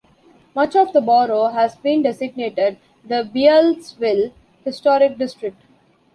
Much of the borough has been designated the Beallsville Historic District.